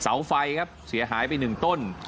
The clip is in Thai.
เสาไฟครับเสียหายไป๑ต้น